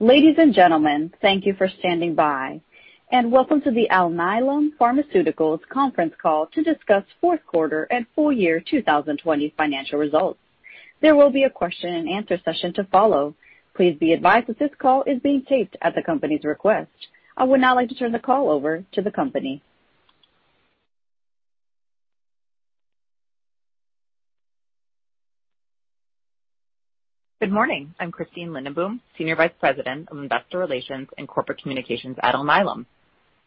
Ladies and gentlemen, thank you for standing by, and welcome to the Alnylam Pharmaceuticals conference call to discuss fourth quarter and full year 2020 financial results. There will be a question and answer session to follow. Please be advised that this call is being taped at the company's request. I would now like to turn the call over to the company. Good morning. I'm Christine Lindenboom, Senior Vice President of Investor Relations and Corporate Communications at Alnylam.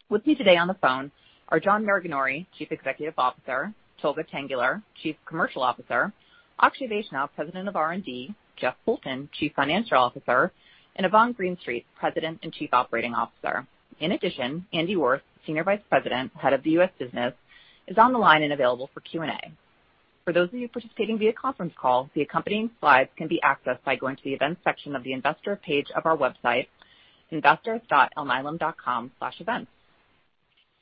With me today on the phone are John Maraganore, Chief Executive Officer; Tolga Tanguler, Chief Commercial Officer; Akshay Vaishnaw, President of R&D; Jeff Poulton, Chief Financial Officer; and Yvonne Greenstreet, President and Chief Operating Officer. In addition, Andy Orth, Senior Vice President, Head of the U.S. Business, is on the line and available for Q&A. For those of you participating via conference call, the accompanying slides can be accessed by going to the events section of the investor page of our website, investors.alnylam.com/events.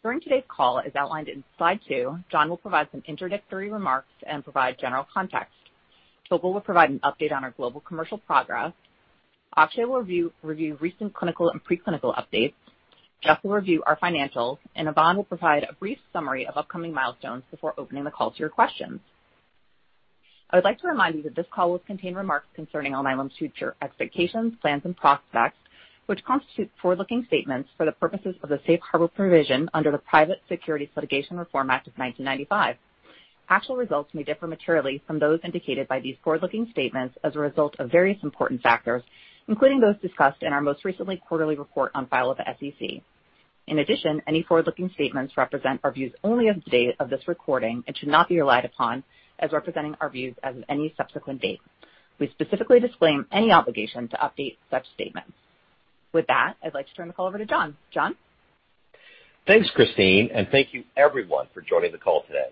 During today's call, as outlined in slide two, John will provide some introductory remarks and provide general context. Tolga will provide an update on our global commercial progress. Akshay will review recent clinical and preclinical updates. Jeff will review our financials. Yvonne will provide a brief summary of upcoming milestones before opening the call to your questions. I would like to remind you that this call will contain remarks concerning Alnylam's future expectations, plans, and prospects, which constitute forward-looking statements for the purposes of the Safe Harbor Provision under the Private Securities Litigation Reform Act of 1995. Actual results may differ materially from those indicated by these forward-looking statements as a result of various important factors, including those discussed in our most recent quarterly report on file with the SEC. In addition, any forward-looking statements represent our views only as of today, the date of this recording, and should not be relied upon as representing our views as of any subsequent date. We specifically disclaim any obligation to update such statements. With that, I'd like to turn the call over to John. John? Thanks, Christine. And thank you, everyone, for joining the call today.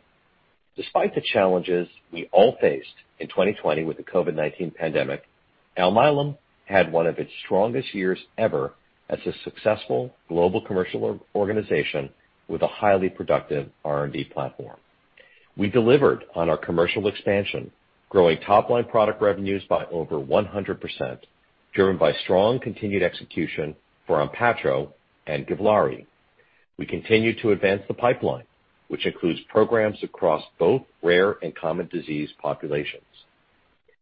Despite the challenges we all faced in 2020 with the COVID-19 pandemic, Alnylam had one of its strongest years ever as a successful global commercial organization with a highly productive R&D platform. We delivered on our commercial expansion, growing top-line product revenues by over 100%, driven by strong continued execution for Onpattro and Givlaari. We continue to advance the pipeline, which includes programs across both rare and common disease populations.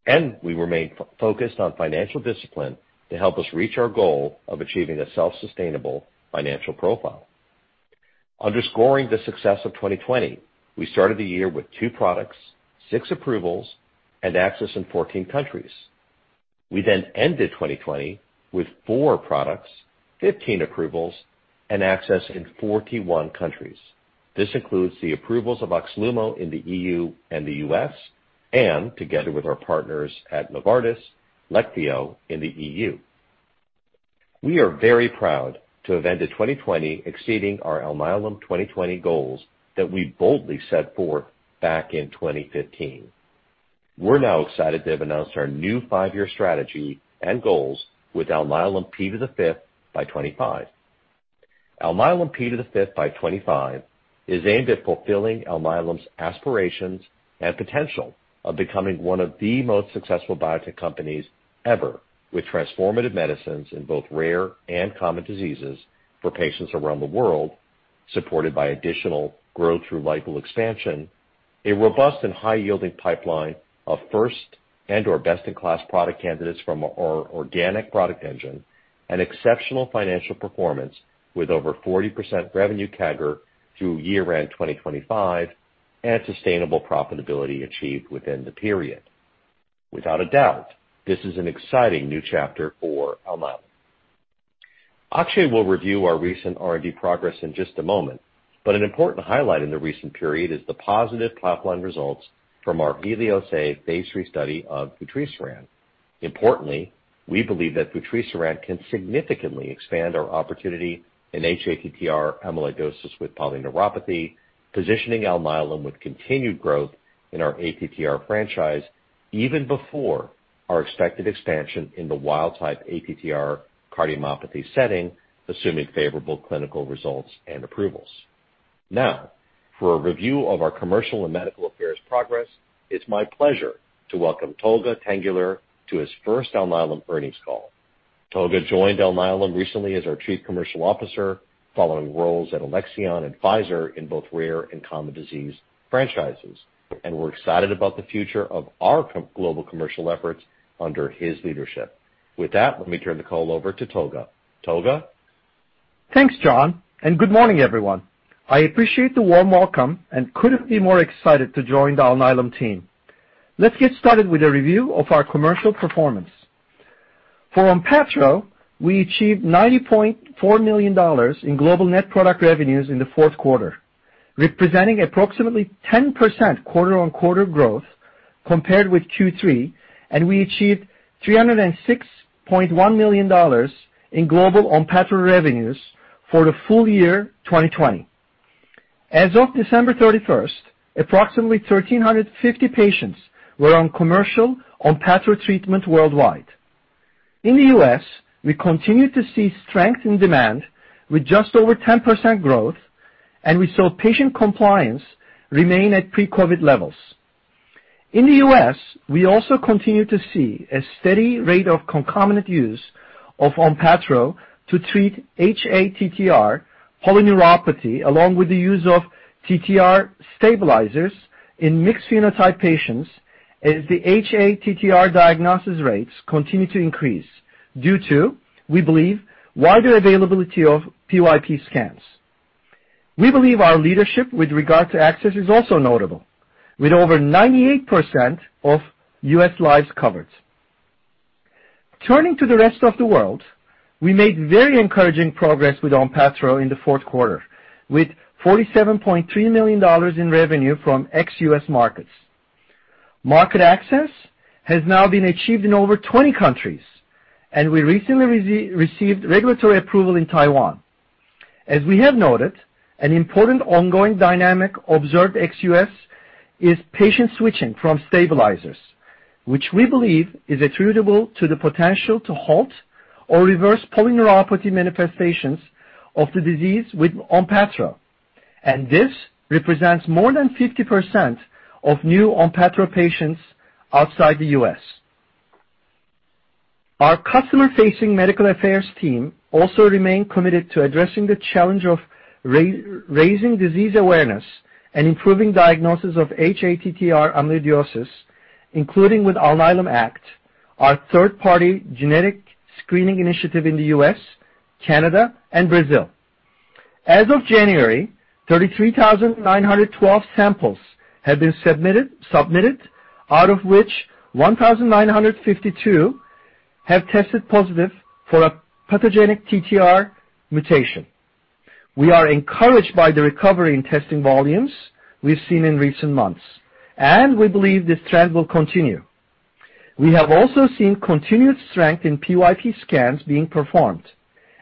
And we remain focused on financial discipline to help us reach our goal of achieving a self-sustainable financial profile. Underscoring the success of 2020, we started the year with two products, six approvals, and access in 14 countries. We then ended 2020 with four products, 15 approvals, and access in 41 countries. This includes the approvals of Oxlumo in the EU and the U.S. Together with our partners at Novartis, Leqvio in the EU. We are very proud to have ended 2020 exceeding our Alnylam 2020 goals that we boldly set forth back in 2015. We're now excited to have announced our new five-year strategy and goals with Alnylam P5x25. Alnylam P5x25 is aimed at fulfilling Alnylam's aspirations and potential of becoming one of the most successful biotech companies ever with transformative medicines in both rare and common diseases for patients around the world, supported by additional growth through label expansion, a robust and high-yielding pipeline of first and/or best-in-class product candidates from our organic product engine, and exceptional financial performance with over 40% revenue CAGR through year-end 2025 and sustainable profitability achieved within the period. Without a doubt, this is an exciting new chapter for Alnylam. Akshay will review our recent R&D progress in just a moment. An important highlight in the recent period is the positive pipeline results from our HELIOS-A phase 3 study of vutrisiran. Importantly, we believe that vutrisiran can significantly expand our opportunity in hATTR amyloidosis with polyneuropathy, positioning Alnylam with continued growth in our ATTR franchise even before our expected expansion in the wild-type ATTR cardiomyopathy setting, assuming favorable clinical results and approvals. Now, for a review of our commercial and medical affairs progress, it is my pleasure to welcome Tolga Tanguler to his first Alnylam earnings call. Tolga joined Alnylam recently as our Chief Commercial Officer following roles at Alexion and Pfizer in both rare and common disease franchises. We are excited about the future of our global commercial efforts under his leadership. With that, let me turn the call over to Tolga. Tolga. Thanks, John. And good morning, everyone. I appreciate the warm welcome and couldn't be more excited to join the Alnylam team. Let's get started with a review of our commercial performance. For Onpattro, we achieved $90.4 million in global net product revenues in the fourth quarter, representing approximately 10% quarter-on-quarter growth compared with Q3, and we achieved $306.1 million in global Onpattro revenues for the full year 2020. As of December 31st, approximately 1,350 patients were on commercial Onpattro treatment worldwide. In the U.S., we continued to see strength in demand with just over 10% growth, and we saw patient compliance remain at pre-COVID levels. In the U.S., we also continued to see a steady rate of concomitant use of Onpattro to treat hATTR polyneuropathy along with the use of TTR stabilizers in mixed phenotype patients as the hATTR diagnosis rates continue to increase due to, we believe, wider availability of PYP scans. We believe our leadership with regard to access is also notable, with over 98% of U.S. lives covered. Turning to the rest of the world, we made very encouraging progress with Onpattro in the fourth quarter with $47.3 million in revenue from ex-U.S. markets. Market access has now been achieved in over 20 countries, and we recently received regulatory approval in Taiwan. As we have noted, an important ongoing dynamic observed ex-U.S. is patient switching from stabilizers, which we believe is attributable to the potential to halt or reverse polyneuropathy manifestations of the disease with Onpattro. This represents more than 50% of new Onpattro patients outside the U.S. Our customer-facing medical affairs team also remains committed to addressing the challenge of raising disease awareness and improving diagnosis of hATTR amyloidosis, including with Alnylam Act, our third-party genetic screening initiative in the U.S., Canada, and Brazil. As of January, 33,912 samples have been submitted, out of which 1,952 have tested positive for a pathogenic TTR mutation. We are encouraged by the recovery in testing volumes we've seen in recent months. We believe this trend will continue. We have also seen continued strength in PYP scans being performed,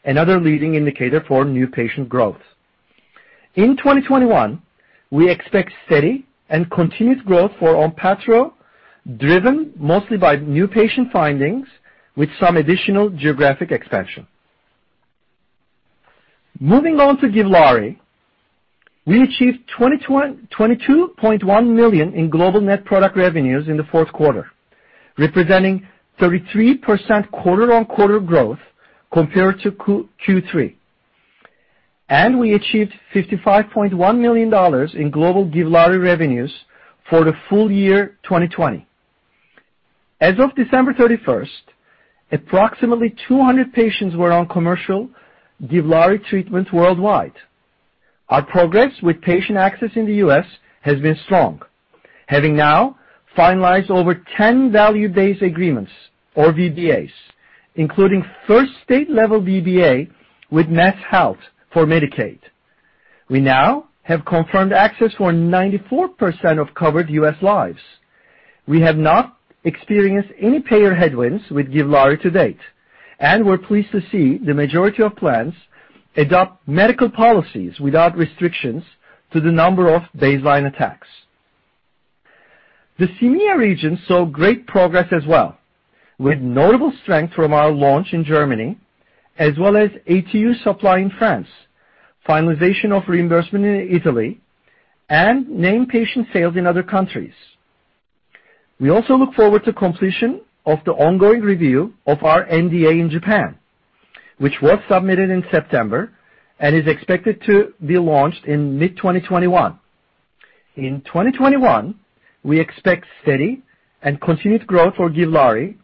another leading indicator for new patient growth. In 2021, we expect steady and continued growth for Onpattro, driven mostly by new patient findings with some additional geographic expansion. Moving on to Givlaari. We achieved $22.1 million in global net product revenues in the fourth quarter, representing 33% quarter-on-quarter growth compared to Q3, and we achieved $55.1 million in global GIVLAARI revenues for the full year 2020. As of December 31st, approximately 200 patients were on commercial GIVLAARI treatment worldwide. Our progress with patient access in the U.S. has been strong, having now finalized over 10 value-based agreements, or VBAs, including first state-level VBA with MassHealth for Medicaid. We now have confirmed access for 94% of covered U.S. lives. We have not experienced any payer headwinds with GIVLAARI to date, and we're pleased to see the majority of plans adopt medical policies without restrictions to the number of baseline attacks. The EMEA region saw great progress as well, with notable strength from our launch in Germany, as well as ATU supply in France, finalization of reimbursement in Italy, and named patient sales in other countries. We also look forward to completion of the ongoing review of our NDA in Japan, which was submitted in September and is expected to be launched in mid-2021. In 2021, we expect steady and continued growth for GIVLAARI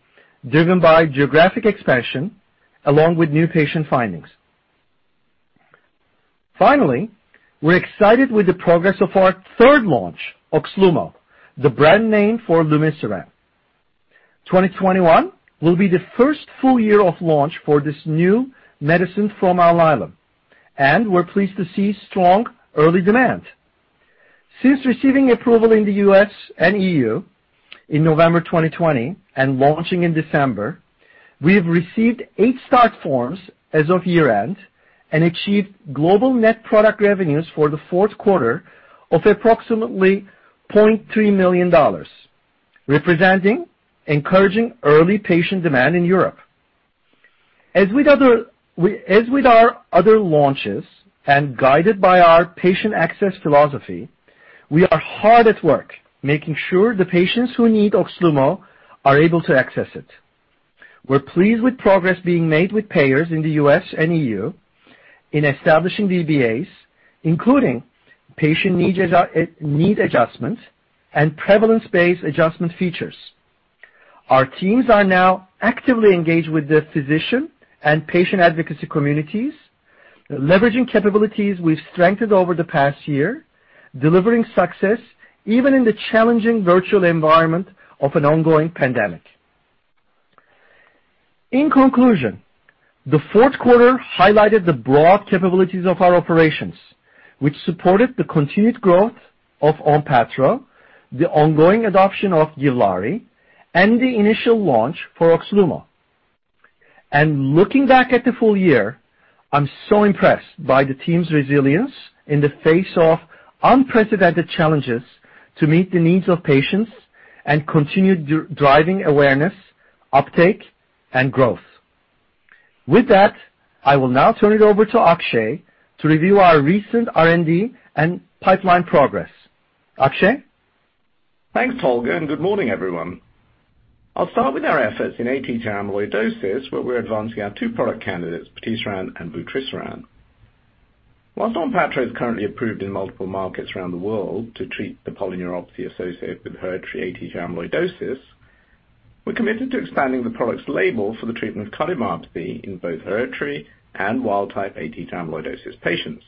driven by geographic expansion along with new patient findings. Finally, we're excited with the progress of our third launch, OXLUMO, the brand name for lumisiran. 2021 will be the first full year of launch for this new medicine from Alnylam. We're pleased to see strong early demand. Since receiving approval in the U.S. and EU in November 2020 and launching in December, we've received eight start forms as of year-end and achieved global net product revenues for the fourth quarter of approximately $0.3 million, representing encouraging early patient demand in Europe. As with our other launches and guided by our patient access philosophy, we are hard at work making sure the patients who need Oxlumo are able to access it. We're pleased with progress being made with payers in the U.S. and EU in establishing VBAs, including patient need adjustment and prevalence-based adjustment features. Our teams are now actively engaged with the physician and patient advocacy communities, leveraging capabilities we've strengthened over the past year, delivering success even in the challenging virtual environment of an ongoing pandemic. In conclusion, the fourth quarter highlighted the broad capabilities of our operations, which supported the continued growth of ONPATTRO, the ongoing adoption of GIVLAARI, and the initial launch for OXLUMO. Looking back at the full year, I'm so impressed by the team's resilience in the face of unprecedented challenges to meet the needs of patients and continue driving awareness, uptake, and growth. With that, I will now turn it over to Akshay to review our recent R&D and pipeline progress. Akshay? Thanks, Tolga. Good morning, everyone. I'll start with our efforts in ATTR amyloidosis, where we're advancing our two product candidates, Onpattro and vutrisiran. While Onpattro is currently approved in multiple markets around the world to treat the polyneuropathy associated with hereditary ATTR amyloidosis, we're committed to expanding the product's label for the treatment of cardiomyopathy in both hereditary and wild-type ATTR amyloidosis patients.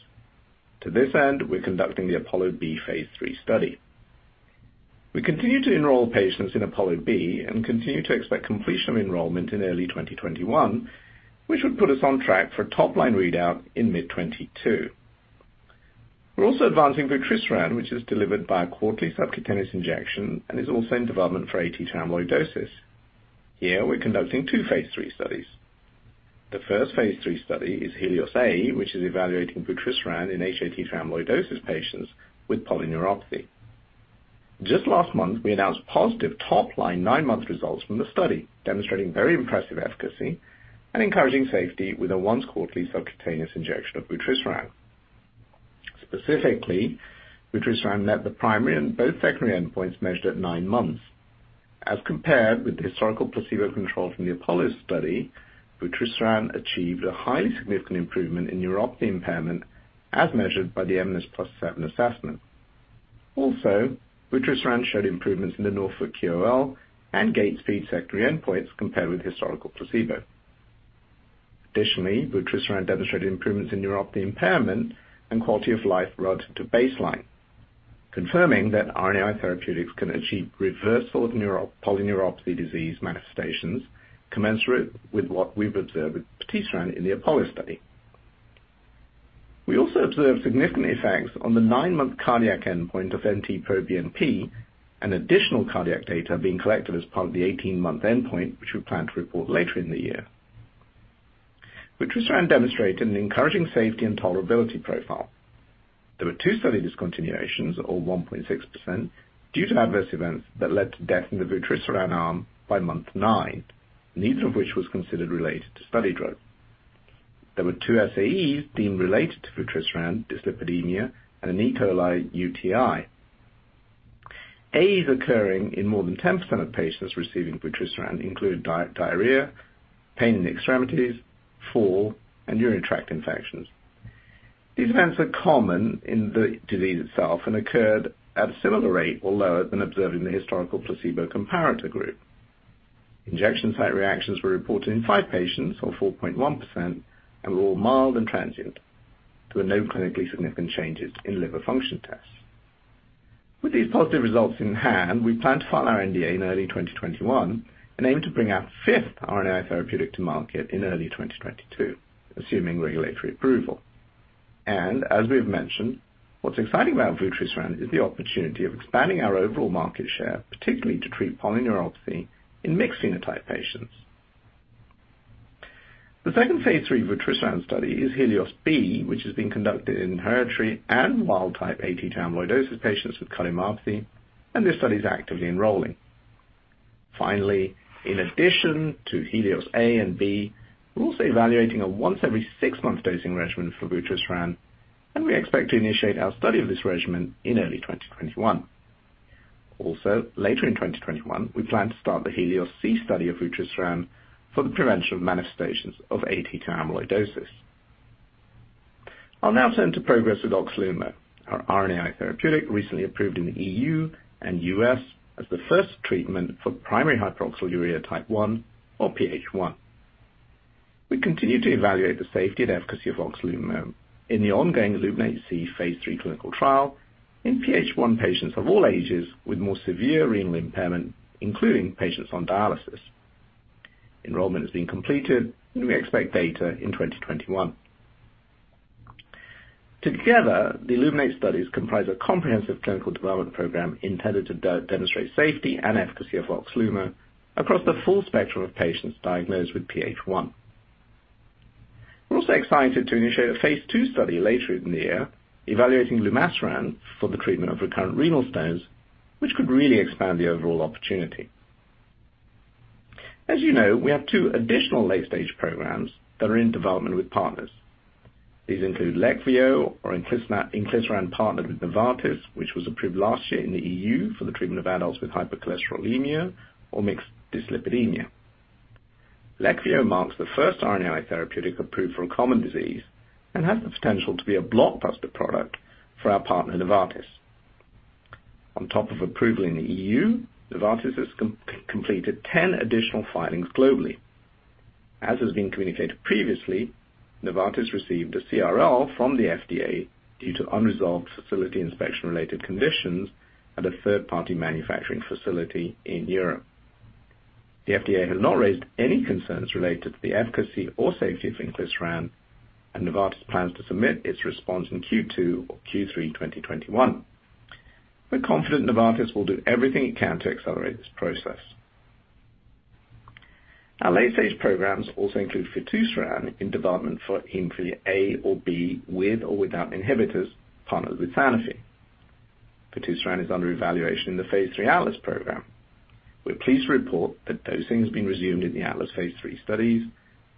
To this end, we're conducting the APOLLO-B phase 3 study. We continue to enroll patients in APOLLO-B and continue to expect completion of enrollment in early 2021, which would put us on track for a top-line readout in mid-2022. We're also advancing vutrisiran, which is delivered by a quarterly subcutaneous injection and is also in development for ATTR amyloidosis. Here, we're conducting two phase 3 studies. The first phase 3 study is HELIOS-A, which is evaluating vutrisiran in hATTR amyloidosis patients with polyneuropathy. Just last month, we announced positive top-line nine-month results from the study, demonstrating very impressive efficacy and encouraging safety with a once-quarterly subcutaneous injection of vutrisiran. Specifically, vutrisiran met the primary and both secondary endpoints measured at nine months. As compared with the historical placebo control from the APOLLO study, vutrisiran achieved a highly significant improvement in neuropathy impairment as measured by the mNIS+7 assessment. Also, vutrisiran showed improvements in the Norfolk QOL and gait-speed secondary endpoints compared with historical placebo. Additionally, vutrisiran demonstrated improvements in neuropathy impairment and quality of life relative to baseline, confirming that RNAi therapeutics can achieve reversal of polyneuropathy disease manifestations commensurate with what we've observed with vutrisiran in the APOLLO study. We also observed significant effects on the nine-month cardiac endpoint of NT-proBNP, and additional cardiac data being collected as part of the 18-month endpoint, which we plan to report later in the year. Vutrisiran demonstrated an encouraging safety and tolerability profile. There were two study discontinuations, or 1.6%, due to adverse events that led to death in the vutrisiran arm by month nine, neither of which was considered related to study drug. There were two SAEs deemed related to vutrisiran, dyslipidemia, and an E. coli UTI. AEs occurring in more than 10% of patients receiving vutrisiran included diarrhea, pain in the extremities, fall, and urinary tract infections. These events are common in the disease itself and occurred at a similar rate or lower than observed in the historical placebo comparator group. Injection site reactions were reported in five patients, or 4.1%, and were all mild and transient. There were no clinically significant changes in liver function tests. With these positive results in hand, we plan to file our NDA in early 2021 and aim to bring our fifth RNAi therapeutic to market in early 2022, assuming regulatory approval, and as we have mentioned, what's exciting about vutrisiran is the opportunity of expanding our overall market share, particularly to treat polyneuropathy in mixed phenotype patients. The second phase 3 vutrisiran study is HELIOS-B, which has been conducted in hereditary and wild-type ATTR amyloidosis patients with cardiomyopathy, and this study is actively enrolling. Finally, in addition to HELIOS-A and HELIOS-B, we're also evaluating a once-every-six-month dosing regimen for vutrisiran, and we expect to initiate our study of this regimen in early 2021. Also, later in 2021, we plan to start the HELIOS-C study of vutrisiran for the prevention of manifestations of ATTR amyloidosis. I'll now turn to progress with Oxlumo, our RNAi therapeutic recently approved in the EU and U.S. as the first treatment for primary hyperoxaluria type 1, or PH1. We continue to evaluate the safety and efficacy of Oxlumo in the ongoing ILLUMINATE-C phase 3 clinical trial in PH1 patients of all ages with more severe renal impairment, including patients on dialysis. Enrollment has been completed, and we expect data in 2021. Together, the ILLUMINATE studies comprise a comprehensive clinical development program intended to demonstrate safety and efficacy of Oxlumo across the full spectrum of patients diagnosed with PH1. We're also excited to initiate a phase 2 study later in the year evaluating lumisiran for the treatment of recurrent renal stones, which could really expand the overall opportunity. As you know, we have two additional late-stage programs that are in development with partners. These include Leqvio, or inclisiran partnered with Novartis, which was approved last year in the EU for the treatment of adults with hypercholesterolemia or mixed dyslipidemia. Leqvio marks the first RNAi therapeutic approved for a common disease and has the potential to be a blockbuster product for our partner Novartis. On top of approval in the EU, Novartis has completed 10 additional filings globally. As has been communicated previously, Novartis received a CRL from the FDA due to unresolved facility inspection-related conditions at a third-party manufacturing facility in Europe. The FDA has not raised any concerns related to the efficacy or safety of inclisiran, and Novartis plans to submit its response in Q2 or Q3 2021. We're confident Novartis will do everything it can to accelerate this process. Our late-stage programs also include fitusiran in development for hemophilia A or B with or without inhibitors, partnered with Sanofi. Fitusiran is under evaluation in the phase 3 ATLAS program. We're pleased to report that dosing has been resumed in the ATLAS phase 3 studies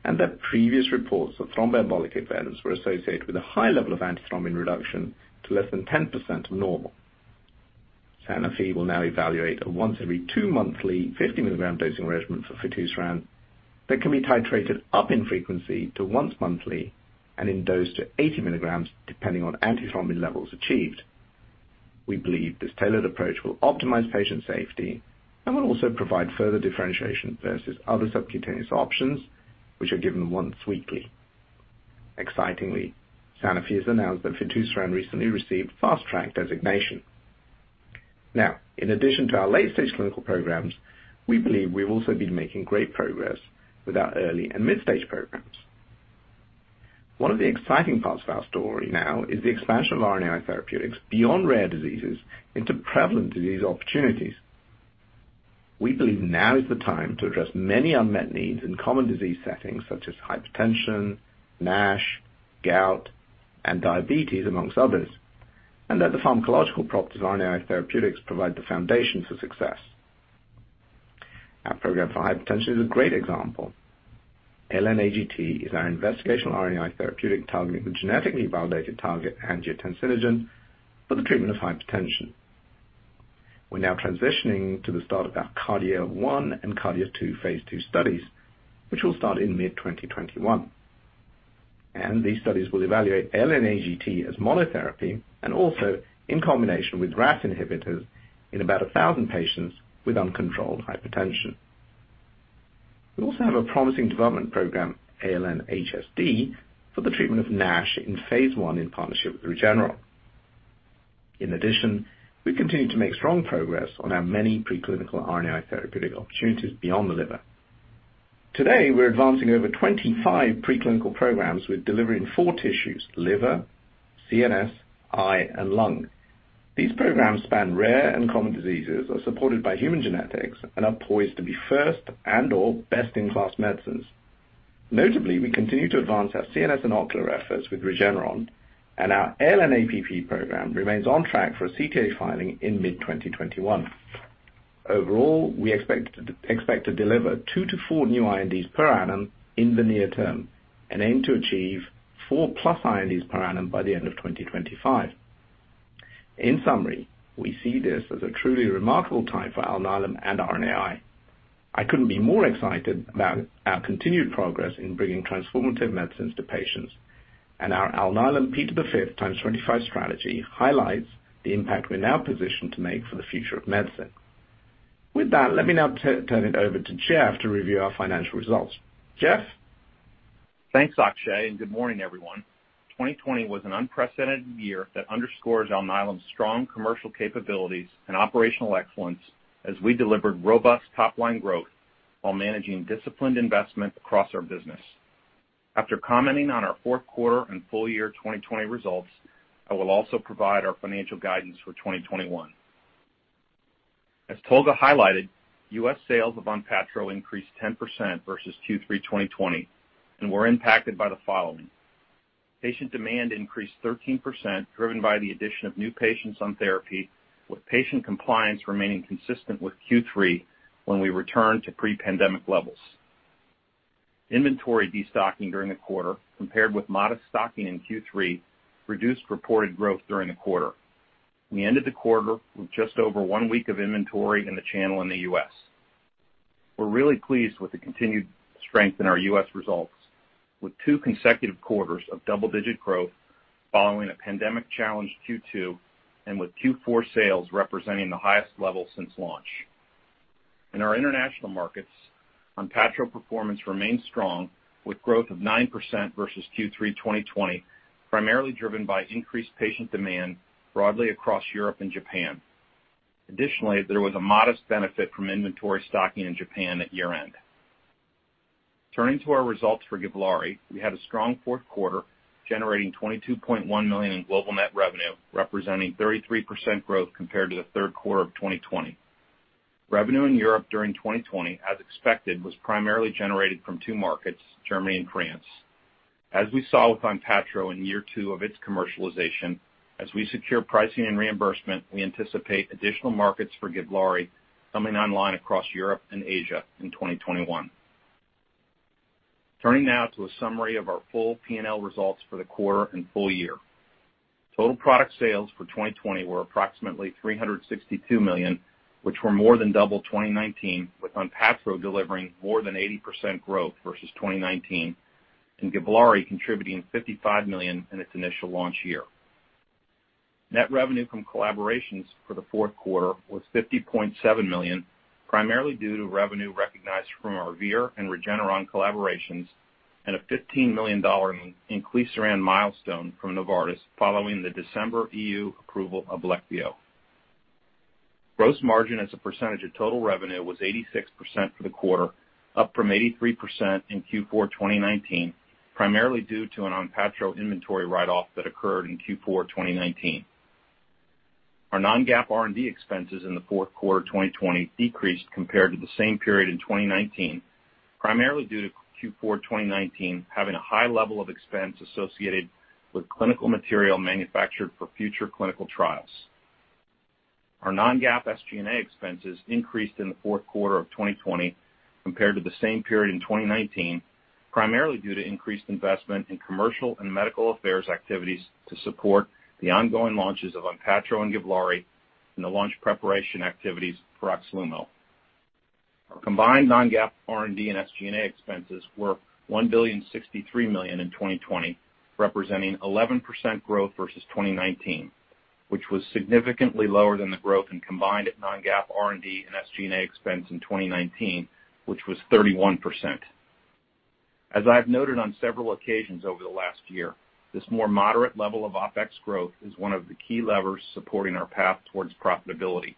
and that previous reports of thromboembolic events were associated with a high level of antithrombin reduction to less than 10% of normal. Sanofi will now evaluate a once-every-two-monthly 50-milligram dosing regimen for fitusiran that can be titrated up in frequency to once monthly and induced to 80 milligrams depending on antithrombin levels achieved. We believe this tailored approach will optimize patient safety and will also provide further differentiation versus other subcutaneous options, which are given once weekly. Excitingly, Sanofi has announced that fitusiran recently received fast-track designation. Now, in addition to our late-stage clinical programs, we believe we've also been making great progress with our early and mid-stage programs. One of the exciting parts of our story now is the expansion of RNAi therapeutics beyond rare diseases into prevalent disease opportunities. We believe now is the time to address many unmet needs in common disease settings such as hypertension, NASH, gout, and diabetes, among others, and that the pharmacological properties of RNAi therapeutics provide the foundation for success. Our program for hypertension is a great example. ALN-AGT is our investigational RNAi therapeutic targeting the genetically validated target angiotensinogen for the treatment of hypertension. We're now transitioning to the start of our KARDIA-1 and KARDIA-2 phase 2 studies, which will start in mid-2021, and these studies will evaluate ALN-AGT as monotherapy and also in combination with RAS inhibitors in about 1,000 patients with uncontrolled hypertension. We also have a promising development program, ALN-HSD, for the treatment of NASH in phase 1 in partnership with Regeneron. In addition, we continue to make strong progress on our many preclinical RNAi therapeutic opportunities beyond the liver. Today, we're advancing over 25 preclinical programs with delivery in four tissues: liver, CNS, eye, and lung. These programs span rare and common diseases, are supported by human genetics, and are poised to be first and/or best-in-class medicines. Notably, we continue to advance our CNS and ocular efforts with Regeneron, and our ALN-APP program remains on track for a CTA filing in mid-2021. Overall, we expect to deliver two to four new INDs per annum in the near term and aim to achieve four-plus INDs per annum by the end of 2025. In summary, we see this as a truly remarkable time for Alnylam and RNAi. I couldn't be more excited about our continued progress in bringing transformative medicines to patients. Our Alnylam P5x25 strategy highlights the impact we're now positioned to make for the future of medicine. With that, let me now turn it over to Jeff to review our financial results. Jeff? Thanks, Akshay, and good morning, everyone. 2020 was an unprecedented year that underscores Alnylam's strong commercial capabilities and operational excellence as we delivered robust top-line growth while managing disciplined investment across our business. After commenting on our fourth quarter and full-year 2020 results, I will also provide our financial guidance for 2021. As Tolga highlighted, U.S. sales of Onpattro increased 10% versus Q3 2020, and we're impacted by the following. Patient demand increased 13%, driven by the addition of new patients on therapy, with patient compliance remaining consistent with Q3 when we returned to pre-pandemic levels. Inventory destocking during the quarter, compared with modest stocking in Q3, reduced reported growth during the quarter. We ended the quarter with just over one week of inventory in the channel in the U.S. We're really pleased with the continued strength in our U.S. results, with two consecutive quarters of double-digit growth following a pandemic-challenged Q2 and with Q4 sales representing the highest level since launch. In our international markets, Onpattro performance remained strong, with growth of 9% versus Q3 2020, primarily driven by increased patient demand broadly across Europe and Japan. Additionally, there was a modest benefit from inventory stocking in Japan at year-end. Turning to our results for Givlaari, we had a strong fourth quarter, generating $22.1 million in global net revenue, representing 33% growth compared to the third quarter of 2020. Revenue in Europe during 2020, as expected, was primarily generated from two markets, Germany and France. As we saw with Onpattro in year two of its commercialization, as we secure pricing and reimbursement, we anticipate additional markets for Givlaari coming online across Europe and Asia in 2021. Turning now to a summary of our full P&L results for the quarter and full year. Total product sales for 2020 were approximately $362 million, which were more than double 2019, with Onpattro delivering more than 80% growth versus 2019 and Givlaari contributing $55 million in its initial launch year. Net revenue from collaborations for the fourth quarter was $50.7 million, primarily due to revenue recognized from our Vir and Regeneron collaborations and a $15 million inclisiran milestone from Novartis following the December EU approval of Leqvio. Gross margin as a percentage of total revenue was 86% for the quarter, up from 83% in Q4 2019, primarily due to an Onpattro inventory write-off that occurred in Q4 2019. Our non-GAAP R&D expenses in the fourth quarter 2020 decreased compared to the same period in 2019, primarily due to Q4 2019 having a high level of expense associated with clinical material manufactured for future clinical trials. Our non-GAAP SG&A expenses increased in the fourth quarter of 2020 compared to the same period in 2019, primarily due to increased investment in commercial and medical affairs activities to support the ongoing launches of Onpattro and Givlaari and the launch preparation activities for Oxlumo. Our combined non-GAAP R&D and SG&A expenses were $1,063,000,000 in 2020, representing 11% growth versus 2019, which was significantly lower than the growth in combined non-GAAP R&D and SG&A expense in 2019, which was 31%. As I have noted on several occasions over the last year, this more moderate level of OpEx growth is one of the key levers supporting our path towards profitability.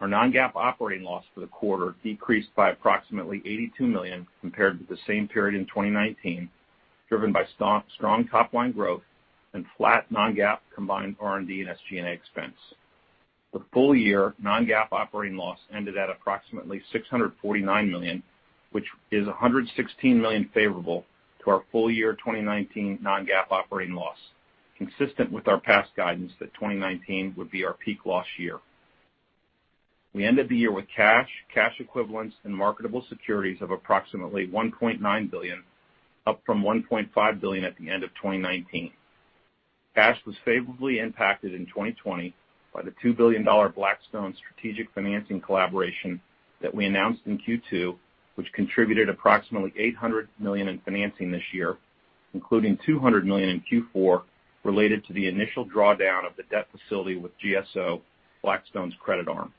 Our non-GAAP operating loss for the quarter decreased by approximately $82 million compared to the same period in 2019, driven by strong top-line growth and flat non-GAAP combined R&D and SG&A expense. The full-year non-GAAP operating loss ended at approximately $649 million, which is $116 million favorable to our full-year 2019 non-GAAP operating loss, consistent with our past guidance that 2019 would be our peak loss year. We ended the year with cash, cash equivalents, and marketable securities of approximately $1.9 billion, up from $1.5 billion at the end of 2019. Cash was favorably impacted in 2020 by the $2 billion Blackstone strategic financing collaboration that we announced in Q2, which contributed approximately $800 million in financing this year, including $200 million in Q4 related to the initial drawdown of the debt facility with GSO Blackstone's credit arm.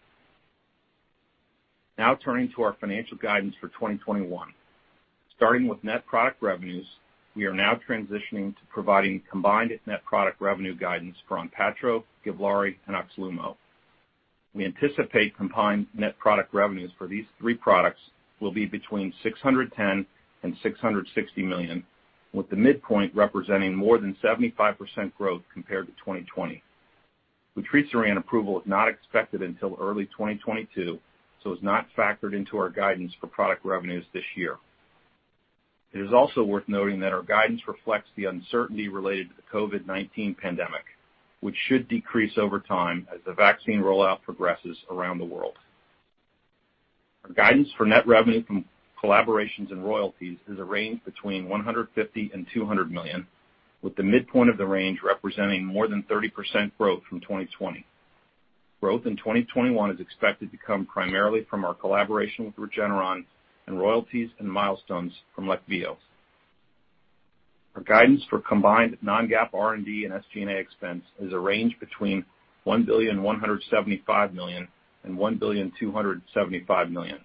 Now turning to our financial guidance for 2021. Starting with net product revenues, we are now transitioning to providing combined net product revenue guidance for Onpattro, Givlaari, and Oxlumo. We anticipate combined net product revenues for these three products will be between $610 million and $660 million, with the midpoint representing more than 75% growth compared to 2020. Inclisiran approval is not expected until early 2022, so it is not factored into our guidance for product revenues this year. It is also worth noting that our guidance reflects the uncertainty related to the COVID-19 pandemic, which should decrease over time as the vaccine rollout progresses around the world. Our guidance for net revenue from collaborations and royalties is a range between $150 million and $200 million, with the midpoint of the range representing more than 30% growth from 2020. Growth in 2021 is expected to come primarily from our collaboration with Regeneron and royalties and milestones from Leqvio. Our guidance for combined non-GAAP R&D and SG&A expense is a range between $1.175 billion and $1.275 billion.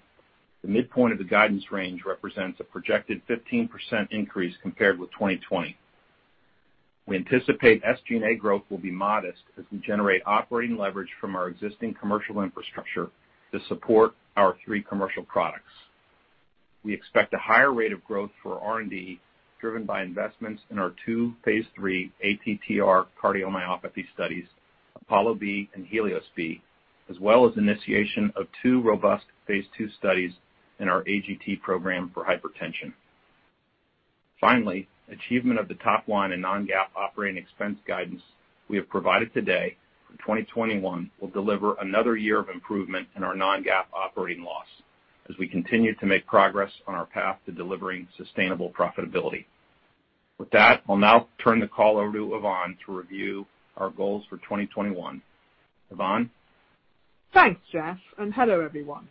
The midpoint of the guidance range represents a projected 15% increase compared with 2020. We anticipate SG&A growth will be modest as we generate operating leverage from our existing commercial infrastructure to support our three commercial products. We expect a higher rate of growth for R&D driven by investments in our two phase 3 ATTR cardiomyopathy studies, APOLLO-B and HELIOS-B, as well as initiation of two robust phase 2 studies in our ALN-AGT program for hypertension. Finally, achievement of the top-line and non-GAAP operating expense guidance we have provided today for 2021 will deliver another year of improvement in our non-GAAP operating loss as we continue to make progress on our path to delivering sustainable profitability. With that, I'll now turn the call over to Yvonne to review our goals for 2021. Yvonne? Thanks, Jeff, and hello, everyone.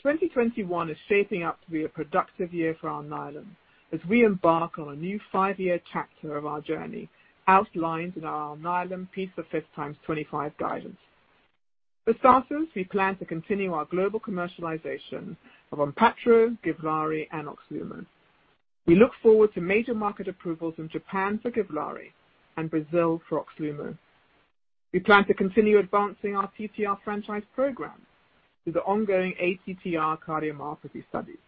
2021 is shaping up to be a productive year for Alnylam as we embark on a new five-year chapter of our journey outlined in our Alnylam P5x25 guidance. For starters, we plan to continue our global commercialization of Onpattro, Givlaari, and Oxlumo. We look forward to major market approvals in Japan for Givlaari and Brazil for Oxlumo. We plan to continue advancing our TTR franchise program through the ongoing ATTR cardiomyopathy studies.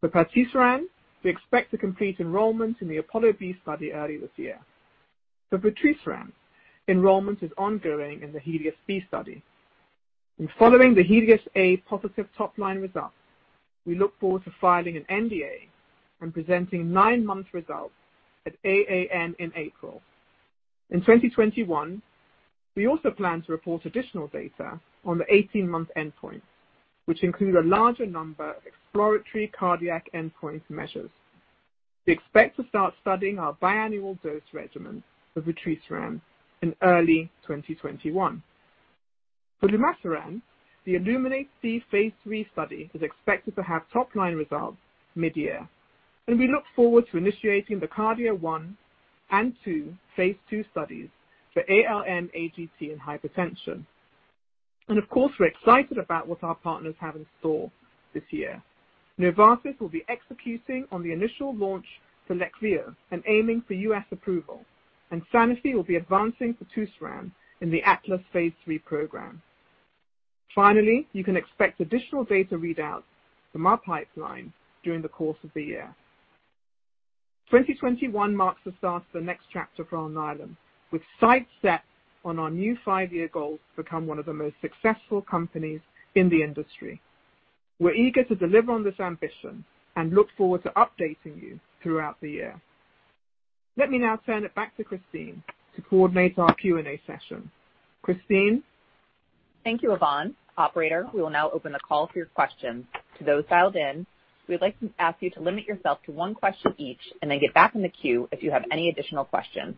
For vutrisiran, we expect to complete enrollment in the APOLLO-B study early this year. For vutrisiran, enrollment is ongoing in the HELIOS-B study. Following the HELIOS-A positive top-line results, we look forward to filing an NDA and presenting nine-month results at AAN in April. In 2021, we also plan to report additional data on the 18-month endpoint, which include a larger number of exploratory cardiac endpoint measures. We expect to start studying our biannual dose regimen for vutrisiran in early 2021. For lumisiran, the ILLUMINATE-C phase 3 study is expected to have top-line results mid-year, and we look forward to initiating the KARDIA-1 and KARDIA-2 phase 2 studies for ALN-AGT and hypertension. And of course, we're excited about what our partners have in store this year. Novartis will be executing on the initial launch for Leqvio and aiming for U.S. approval, and Sanofi will be advancing fitusiran in the ATLAS phase 3 program. Finally, you can expect additional data readouts from our pipeline during the course of the year. 2021 marks the start of the next chapter for Alnylam, with sights set on our new five-year goal to become one of the most successful companies in the industry. We're eager to deliver on this ambition and look forward to updating you throughout the year. Let me now turn it back to Christine to coordinate our Q&A session. Christine? Thank you, Yvonne. Operator, we will now open the call for your questions. To those dialed in, we would like to ask you to limit yourself to one question each and then get back in the queue if you have any additional questions.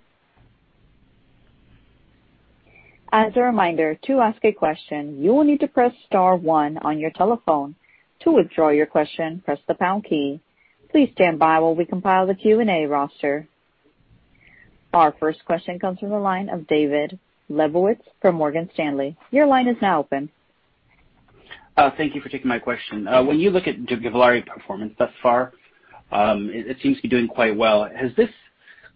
As a reminder, to ask a question, you will need to press star one on your telephone. To withdraw your question, press the pound key. Please stand by while we compile the Q&A roster. Our first question comes from the line of David Lebowitz from Morgan Stanley. Your line is now open. Thank you for taking my question. When you look at Givlaari performance thus far, it seems to be doing quite well. Has this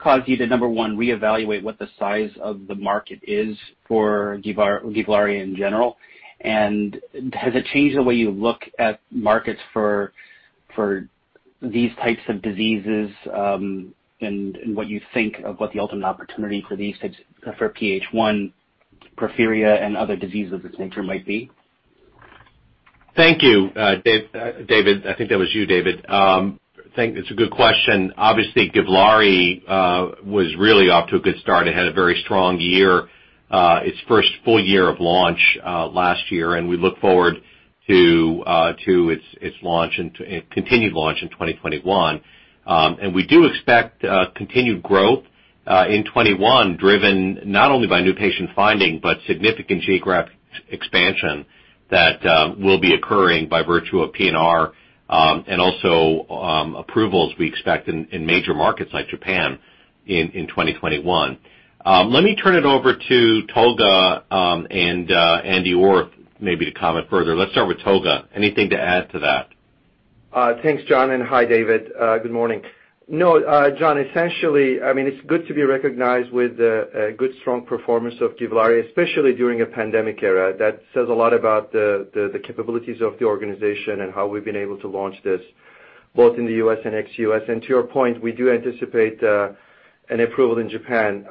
caused you to, number one, reevaluate what the size of the market is for Givlaari in general? And has it changed the way you look at markets for these types of diseases and what you think of what the ultimate opportunity for these types for PH1, porphyria, and other diseases of this nature might be? Thank you, David. I think that was you, David. It's a good question. Obviously, Givlaari was really off to a good start. It had a very strong year, its first full year of launch last year, and we look forward to its continued launch in 2021. And we do expect continued growth in 2021, driven not only by new patient finding, but significant geographic expansion that will be occurring by virtue of P&R and also approvals we expect in major markets like Japan in 2021. Let me turn it over to Tolga and Andy Orth, maybe to comment further. Let's start with Tolga. Anything to add to that? Thanks, John, and hi, David. Good morning. No, John, essentially, I mean, it's good to be recognized with a good, strong performance of Givlaari, especially during a pandemic era. That says a lot about the capabilities of the organization and how we've been able to launch this both in the U.S. and ex-U.S., and to your point, we do anticipate an approval in Japan,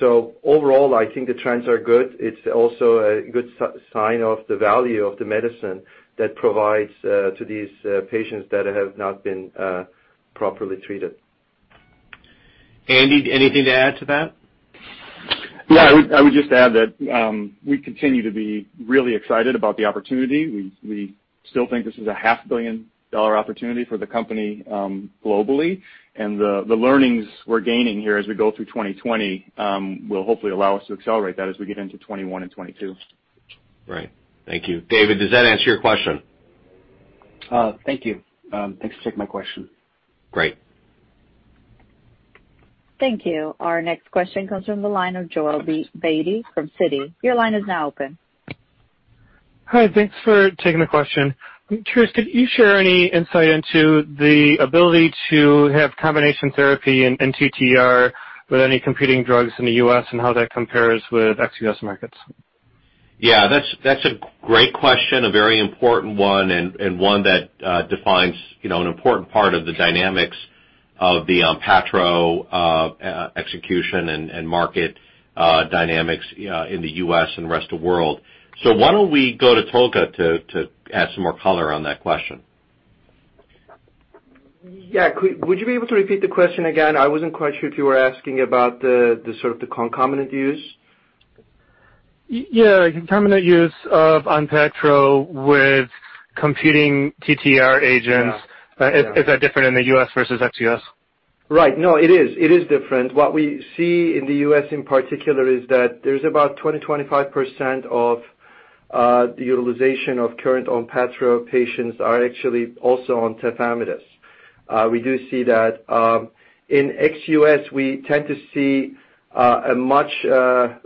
so overall, I think the trends are good. It's also a good sign of the value of the medicine that provides to these patients that have not been properly treated. Andy, anything to add to that? Yeah, I would just add that we continue to be really excited about the opportunity. We still think this is a $500 million opportunity for the company globally, and the learnings we're gaining here as we go through 2020 will hopefully allow us to accelerate that as we get into 2021 and 2022. Right. Thank you. David, does that answer your question? Thank you. Thanks for taking my question. Great. Thank you. Our next question comes from the line of Joel Beatty from Citi. Your line is now open. Hi, thanks for taking the question. I'm curious, could you share any insight into the ability to have combination therapy and ATTR with any competing drugs in the U.S. and how that compares with ex-U.S. markets? Yeah, that's a great question, a very important one and one that defines an important part of the dynamics of the Onpattro execution and market dynamics in the U.S. and the rest of the world. So why don't we go to Tolga to add some more color on that question? Yeah, would you be able to repeat the question again? I wasn't quite sure if you were asking about the sort of concomitant use? Yeah, concomitant use of Onpattro with competing TTR agents. Is that different in the U.S. versus ex-U.S.? Right. No, it is. It is different. What we see in the U.S. in particular is that there's about 20-25% of the utilization of current Onpattro patients are actually also on tafamidis. We do see that. In ex-U.S., we tend to see a much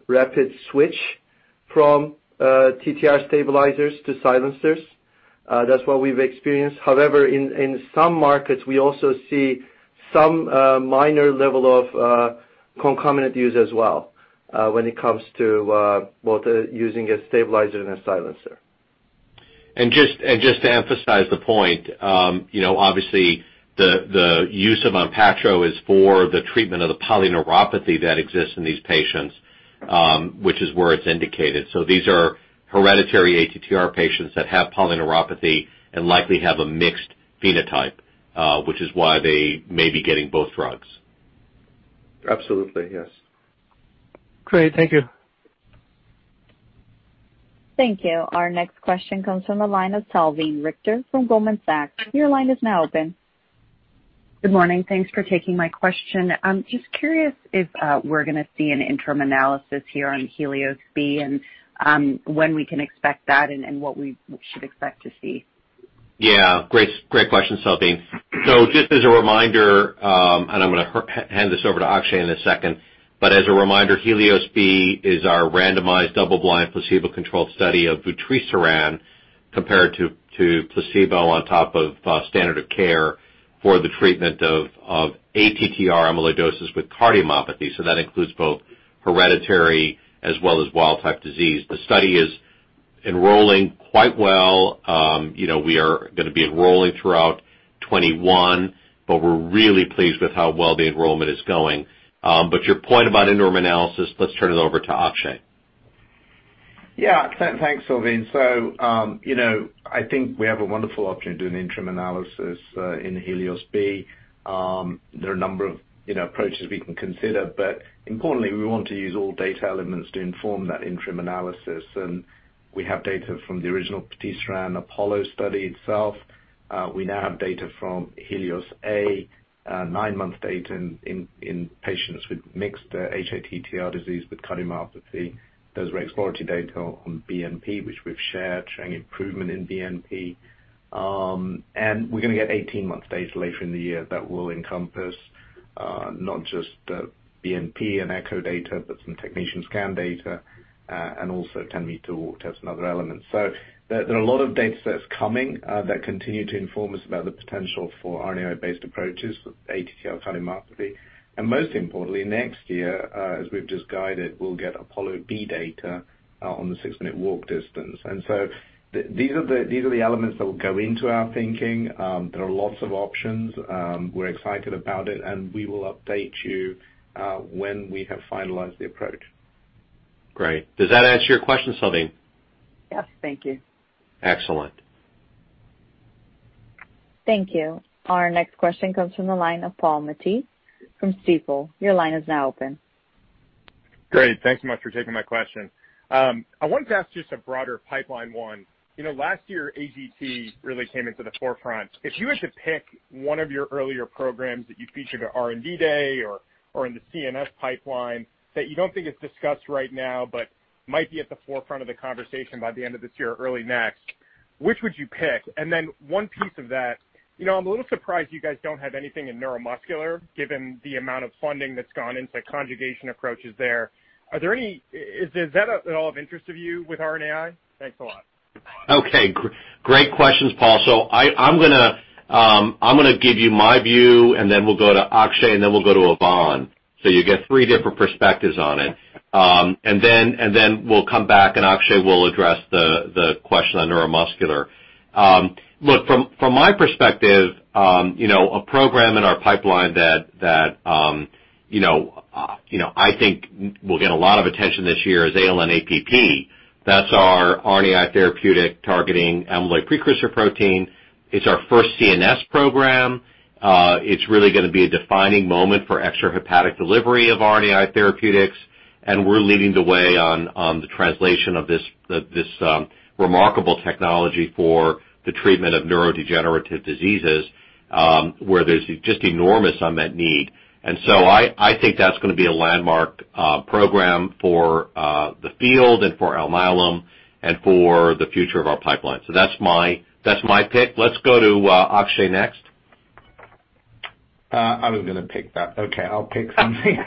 rapid switch from TTR stabilizers to silencers. That's what we've experienced. However, in some markets, we also see some minor level of concomitant use as well when it comes to both using a stabilizer and a silencer. Just to emphasize the point, obviously, the use of Onpattro is for the treatment of the polyneuropathy that exists in these patients, which is where it's indicated. These are hereditary ATTR patients that have polyneuropathy and likely have a mixed phenotype, which is why they may be getting both drugs. Absolutely, yes. Great. Thank you. Thank you. Our next question comes from the line of Salveen Richter from Goldman Sachs. Your line is now open. Good morning. Thanks for taking my question. I'm just curious if we're going to see an interim analysis here on HELIOS-B and when we can expect that and what we should expect to see? Yeah, great question, Salveen. So just as a reminder, and I'm going to hand this over to Akshay in a second, but as a reminder, HELIOS-B is our randomized double-blind placebo-controlled study of vutrisiran compared to placebo on top of standard of care for the treatment of ATTR amyloidosis with cardiomyopathy. So that includes both hereditary as well as wild-type disease. The study is enrolling quite well. We are going to be enrolling throughout 2021, but we're really pleased with how well the enrollment is going. But your point about interim analysis, let's turn it over to Akshay. Yeah, thanks, Salveen. So I think we have a wonderful opportunity to do an interim analysis in HELIOS-B. There are a number of approaches we can consider, but importantly, we want to use all data elements to inform that interim analysis. And we have data from the original patisiran-APOLLO study itself. We now have data from HELIOS-A, nine-month data in patients with mixed hATTR disease with cardiomyopathy. There's exploratory data on BNP, which we've shared showing improvement in BNP. And we're going to get 18-month data later in the year that will encompass not just BNP and echo data, but some technetium scan data and also 10-meter walk test and other elements. So there are a lot of data sets coming that continue to inform us about the potential for RNAi-based approaches for ATTR cardiomyopathy. Most importantly, next year, as we've just guided, we'll get APOLLO-B data on the six-minute walk distance. So these are the elements that will go into our thinking. There are lots of options. We're excited about it, and we will update you when we have finalized the approach. Great. Does that answer your question, Salveen? Yes, thank you. Excellent. Thank you. Our next question comes from the line of Paul Matteis from Stifel. Your line is now open. Great. Thanks so much for taking my question. I wanted to ask just a broader pipeline one. Last year, AGT really came into the forefront. If you had to pick one of your earlier programs that you featured at R&D Day or in the full pipeline that you don't think is discussed right now but might be at the forefront of the conversation by the end of this year, early next, which would you pick? And then one piece of that, I'm a little surprised you guys don't have anything in neuromuscular given the amount of funding that's gone into conjugation approaches there. Is that at all of interest to you with RNAi? Thanks a lot. Okay. Great questions, Paul. So I'm going to give you my view, and then we'll go to Akshay, and then we'll go to Yvonne. So you get three different perspectives on it. And then we'll come back, and Akshay will address the question on neuromuscular. Look, from my perspective, a program in our pipeline that I think will get a lot of attention this year is ALN-APP. That's our RNAi therapeutic targeting amyloid precursor protein. It's our first CNS program. It's really going to be a defining moment for extra hepatic delivery of RNAi therapeutics, and we're leading the way on the translation of this remarkable technology for the treatment of neurodegenerative diseases where there's just enormous unmet need. And so I think that's going to be a landmark program for the field and for Alnylam and for the future of our pipeline. So that's my pick. Let's go to Akshay next. I was going to pick that. Okay, I'll pick something.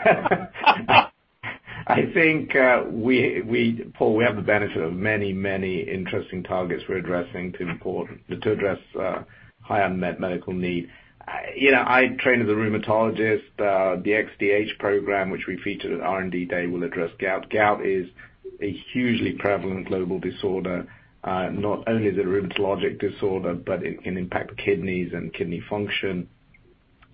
I think, Paul, we have the benefit of many, many interesting targets we're addressing to address high unmet medical need. I trained as a rheumatologist. The XDH program, which we featured at R&D Day, will address gout. Gout is a hugely prevalent global disorder. Not only is it a rheumatologic disorder, but it can impact kidneys and kidney function.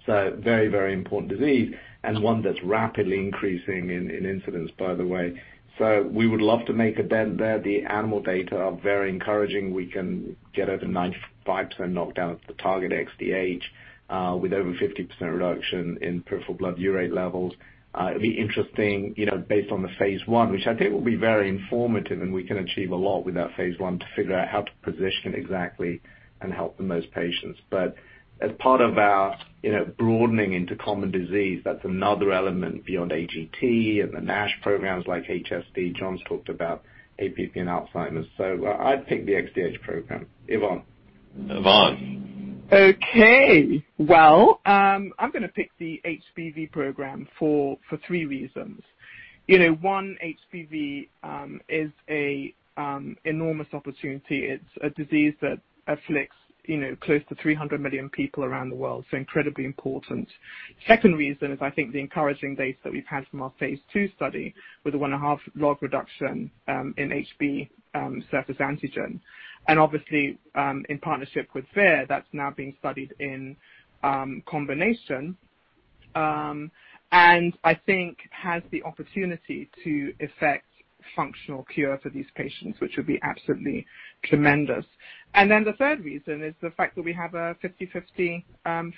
So very, very important disease and one that's rapidly increasing in incidence, by the way. So we would love to make a dent there. The animal data are very encouraging. We can get over 95% knockdown of the target XDH with over 50% reduction in peripheral blood urate levels. It'll be interesting based on the phase one, which I think will be very informative, and we can achieve a lot with that phase one to figure out how to position it exactly and help the most patients. But as part of our broadening into common disease, that's another element beyond AGT and the NASH programs like HSD. John's talked about APP and Alzheimer's. So I'd pick the XDH program. Yvonne. Yvonne. Okay. I'm going to pick the HBV program for three reasons. One, HBV is an enormous opportunity. It's a disease that afflicts close to 300 million people around the world, so incredibly important. Second reason is I think the encouraging data that we've had from our phase 2 study with a one-and-a-half log reduction in HBs surface antigen. And obviously, in partnership with Vir, that's now being studied in combination. And I think it has the opportunity to affect functional cure for these patients, which would be absolutely tremendous. And then the third reason is the fact that we have a 50/50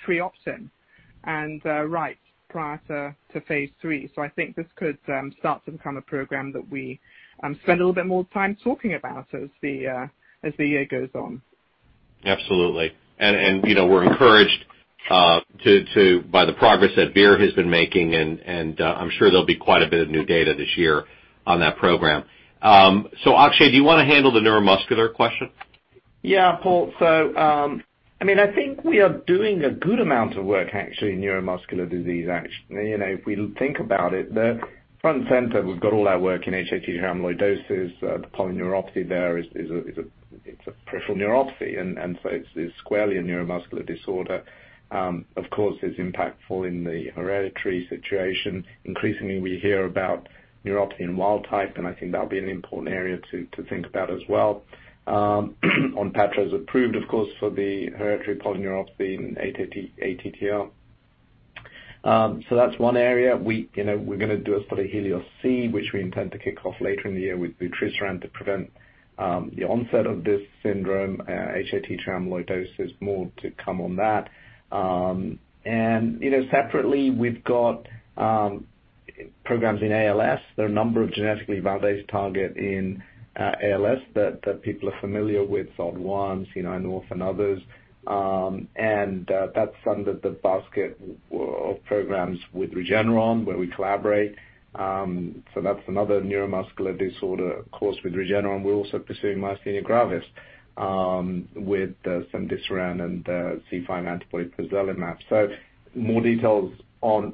free opt-in and rights prior to phase 3. So I think this could start to become a program that we spend a little bit more time talking about as the year goes on. Absolutely, and we're encouraged by the progress that vutrisiran has been making, and I'm sure there'll be quite a bit of new data this year on that program, so Akshay, do you want to handle the neuromuscular question? Yeah, Paul. So I mean, I think we are doing a good amount of work, actually, in neuromuscular disease. If we think about it, front and center, we've got all that work in hATTR amyloidosis. The polyneuropathy there is a peripheral neuropathy, and so it's squarely a neuromuscular disorder. Of course, it's impactful in the hereditary situation. Increasingly, we hear about neuropathy in wild-type, and I think that'll be an important area to think about as well. Onpattro is approved, of course, for the hereditary polyneuropathy and ATTR. So that's one area. We're going to do a study of HELIOS-C, which we intend to kick off later in the year with vutrisiran to prevent the onset of this syndrome. hATTR amyloidosis more to come on that. And separately, we've got programs in ALS. There are a number of genetically validated targets in ALS that people are familiar with, SOD1s, C9orf72, and others. And that's under the basket of programs with Regeneron where we collaborate. So that's another neuromuscular disorder, of course, with Regeneron. We're also pursuing myasthenia gravis with cemdisiran and C5 antibody pozelimab. So more details on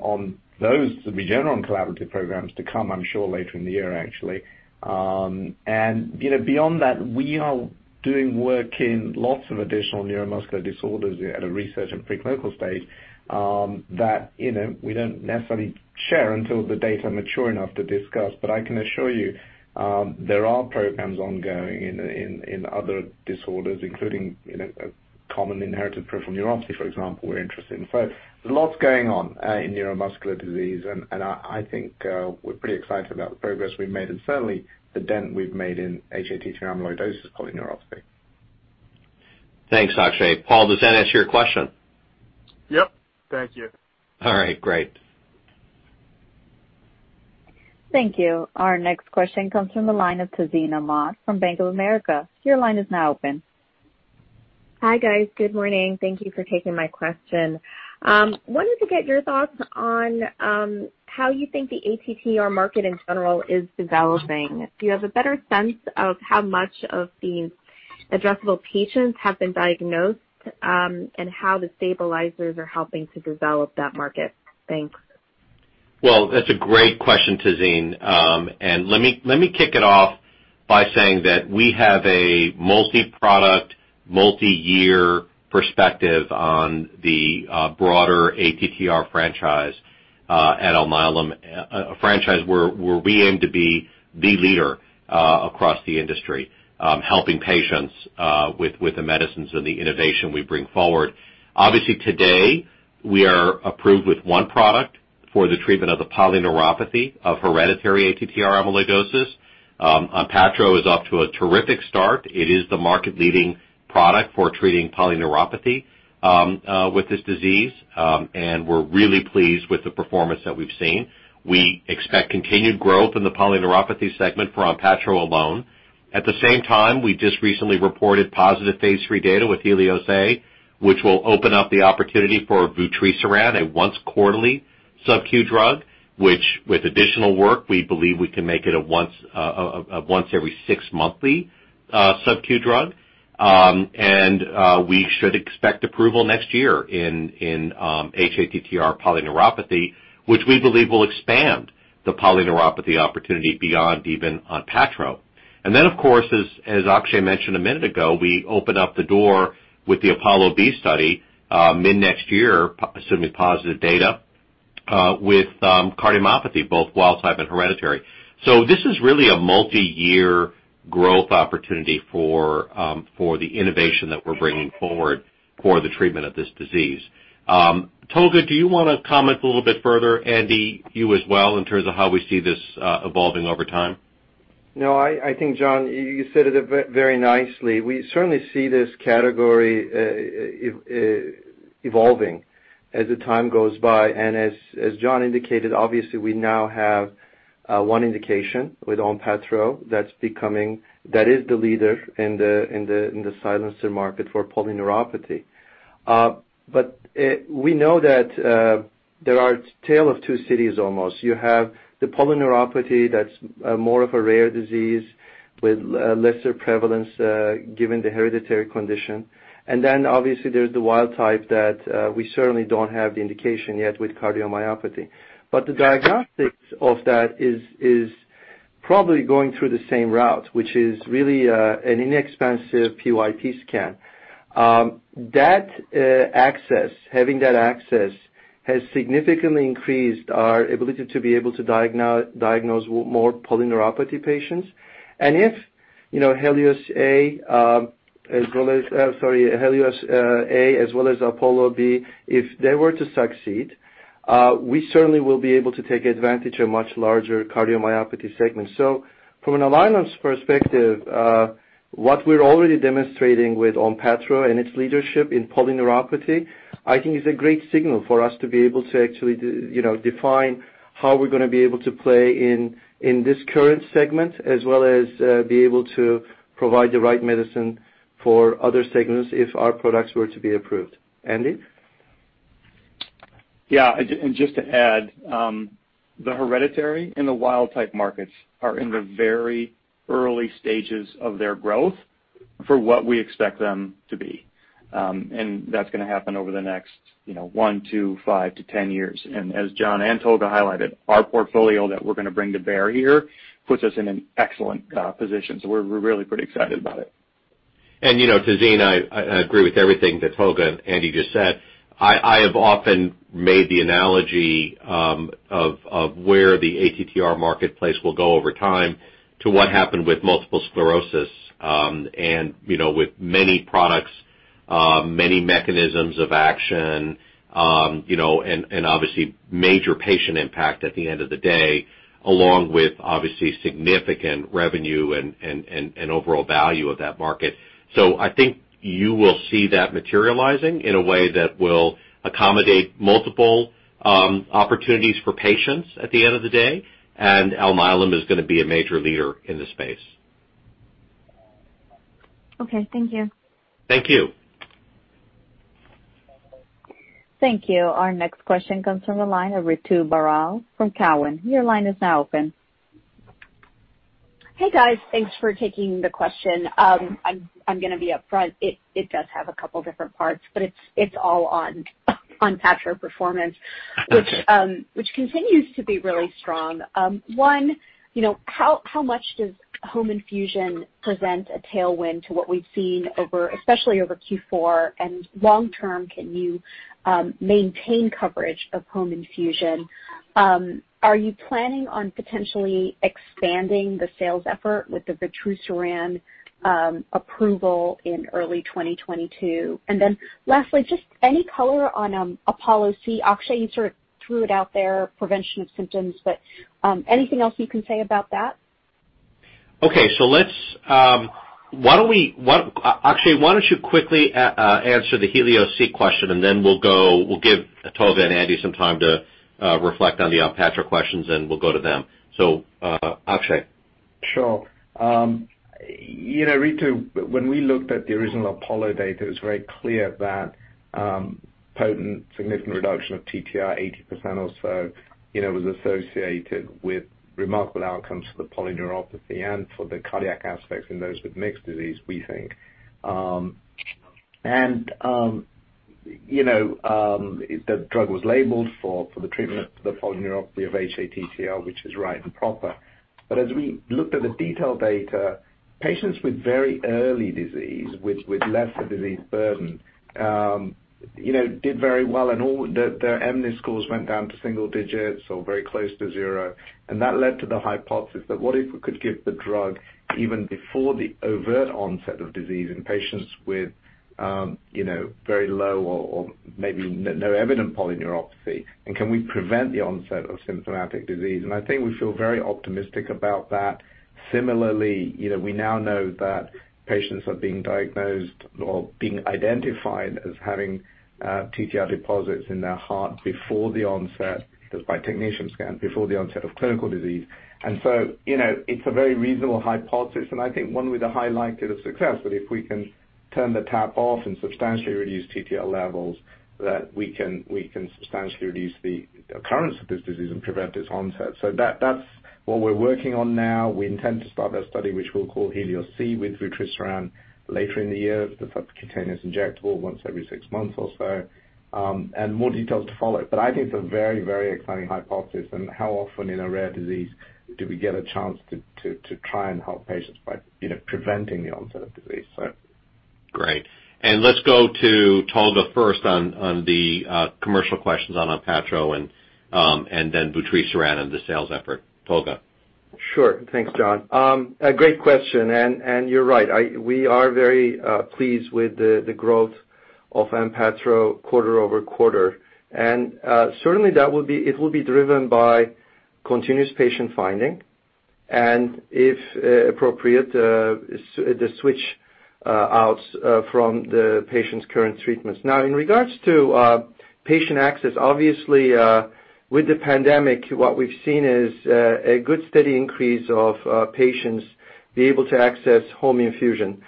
those Regeneron collaborative programs to come, I'm sure, later in the year, actually. And beyond that, we are doing work in lots of additional neuromuscular disorders at a research and preclinical stage that we don't necessarily share until the data are mature enough to discuss. But I can assure you there are programs ongoing in other disorders, including common inherited peripheral neuropathy, for example, we're interested in. So there's lots going on in neuromuscular disease, and I think we're pretty excited about the progress we've made and certainly the dent we've made in hATTR amyloidosis polyneuropathy. Thanks, Akshay. Paul, does that answer your question? Yep. Thank you. All right. Great. Thank you. Our next question comes from the line of Tazeen Ahmad from Bank of America. Your line is now open. Hi guys. Good morning. Thank you for taking my question. Wanted to get your thoughts on how you think the ATTR market in general is developing. Do you have a better sense of how much of these addressable patients have been diagnosed and how the stabilizers are helping to develop that market? Thanks. Well, that's a great question, Tazeen. And let me kick it off by saying that we have a multi-product, multi-year perspective on the broader ATTR franchise at Alnylam, a franchise where we aim to be the leader across the industry, helping patients with the medicines and the innovation we bring forward. Obviously, today, we are approved with one product for the treatment of the polyneuropathy of hereditary ATTR amyloidosis. Onpattro is off to a terrific start. It is the market-leading product for treating polyneuropathy with this disease, and we're really pleased with the performance that we've seen. We expect continued growth in the polyneuropathy segment for Onpattro alone. At the same time, we just recently reported positive phase 3 data with HELIOS-A, which will open up the opportunity for vutrisiran, a once-quarterly subcu drug, which with additional work, we believe we can make it a once-every-six-monthly subcu drug. And we should expect approval next year in hATTR polyneuropathy, which we believe will expand the polyneuropathy opportunity beyond even Onpattro. And then, of course, as Akshay mentioned a minute ago, we open up the door with the APOLLO-B study mid-next year, assuming positive data with cardiomyopathy, both wild-type and hereditary. So this is really a multi-year growth opportunity for the innovation that we're bringing forward for the treatment of this disease. Tolga, do you want to comment a little bit further, Andy, you as well, in terms of how we see this evolving over time? No, I think, John, you said it very nicely. We certainly see this category evolving as the time goes by. As John indicated, obviously, we now have one indication with Onpattro that is the leader in the silencer market for polyneuropathy. But we know that there is a tale of two cities almost. You have the polyneuropathy that's more of a rare disease with lesser prevalence given the hereditary condition. And then, obviously, there's the wild-type that we certainly don't have the indication yet with cardiomyopathy. But the diagnostics of that is probably going through the same route, which is really an inexpensive PYP scan. Having that access has significantly increased our ability to be able to diagnose more polyneuropathy patients. And if HELIOS-A as well as, sorry, HELIOS-A as well as APOLLO-B, if they were to succeed, we certainly will be able to take advantage of a much larger cardiomyopathy segment. So from an Alnylam perspective, what we're already demonstrating with Onpattro and its leadership in polyneuropathy, I think, is a great signal for us to be able to actually define how we're going to be able to play in this current segment as well as be able to provide the right medicine for other segments if our products were to be approved. Andy? Yeah. And just to add, the hereditary and the wild-type markets are in the very early stages of their growth for what we expect them to be. And that's going to happen over the next one, two, five to 10 years. And as John and Tolga highlighted, our portfolio that we're going to bring to ATTR here puts us in an excellent position. So we're really pretty excited about it. Tazeen, I agree with everything that Tolga and Andy just said. I have often made the analogy of where the ATTR marketplace will go over time to what happened with multiple sclerosis and with many products, many mechanisms of action, and obviously major patient impact at the end of the day, along with obviously significant revenue and overall value of that market. I think you will see that materializing in a way that will accommodate multiple opportunities for patients at the end of the day. Alnylam is going to be a major leader in this space. Okay. Thank you. Thank you. Thank you. Our next question comes from Ritu Baral from Cowen. Your line is now open. Hey, guys. Thanks for taking the question. I'm going to be upfront. It does have a couple of different parts, but it's all on Onpattro performance, which continues to be really strong. One, how much does home infusion present a tailwind to what we've seen, especially over Q4? And long-term, can you maintain coverage of home infusion? Are you planning on potentially expanding the sales effort with the vutrisiran approval in early 2022? And then lastly, just any color on Apollo C? Akshay, you sort of threw it out there, prevention of symptoms, but anything else you can say about that? Okay. So why don't we, Akshay, why don't you quickly answer the HELIOS-C question, and then we'll give Tolga and Andy some time to reflect on the Onpattro questions, and we'll go to them. So Akshay. Sure. Ritu, when we looked at the original Apollo data, it was very clear that potent, significant reduction of TTR, 80% or so, was associated with remarkable outcomes for the polyneuropathy and for the cardiac aspects in those with mixed disease, we think. And the drug was labeled for the treatment of the polyneuropathy of hATTR, which is right and proper. But as we looked at the detailed data, patients with very early disease, with lesser disease burden, did very well, and their mNIS scores went down to single digits or very close to zero. And that led to the hypothesis that, what if we could give the drug even before the overt onset of disease in patients with very low or maybe no evident polyneuropathy? And can we prevent the onset of symptomatic disease? And I think we feel very optimistic about that. Similarly, we now know that patients are being diagnosed or being identified as having TTR deposits in their heart before the onset, by PYP scan, before the onset of clinical disease. And so it's a very reasonable hypothesis, and I think one with a high likelihood of success. But if we can turn the tap off and substantially reduce TTR levels, that we can substantially reduce the occurrence of this disease and prevent its onset. So that's what we're working on now. We intend to start that study, which we'll call HELIOS-C with vutrisiran later in the year, the subcutaneous injectable once every six months or so, and more details to follow. But I think it's a very, very exciting hypothesis. And how often in a rare disease do we get a chance to try and help patients by preventing the onset of disease? Great. And let's go to Tolga first on the commercial questions on Onpattro and then vutrisiran and the sales effort. Tolga. Sure. Thanks, John. Great question. And you're right. We are very pleased with the growth of Onpattro quarter over quarter. And certainly, it will be driven by continuous patient finding and, if appropriate, the switch out from the patient's current treatments. Now, in regards to patient access, obviously, with the pandemic, what we've seen is a good steady increase of patients being able to access home infusion,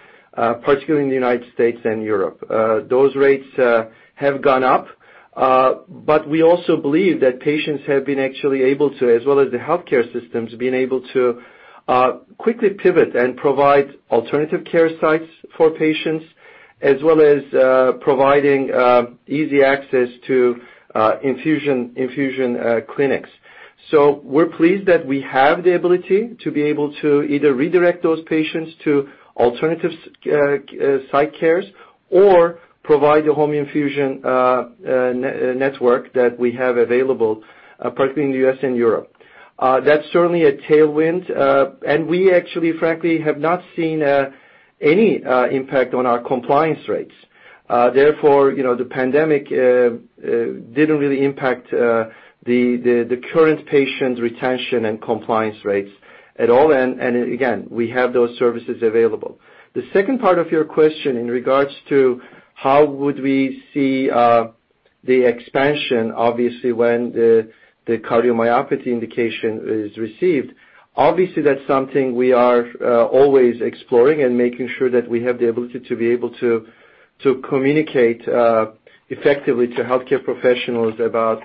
particularly in the United States and Europe. Those rates have gone up, but we also believe that patients have been actually able to, as well as the healthcare systems, been able to quickly pivot and provide alternative care sites for patients, as well as providing easy access to infusion clinics. We're pleased that we have the ability to be able to either redirect those patients to alternative sites of care or provide the home infusion network that we have available, particularly in the U.S. and Europe. That's certainly a tailwind. And we actually, frankly, have not seen any impact on our compliance rates. Therefore, the pandemic didn't really impact the current patient retention and compliance rates at all. And again, we have those services available. The second part of your question in regards to how would we see the expansion, obviously, when the cardiomyopathy indication is received, obviously, that's something we are always exploring and making sure that we have the ability to be able to communicate effectively to healthcare professionals about